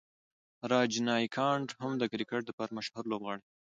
راجنیکانټ هم د کرکټ د پاره مشهوره لوبغاړی و.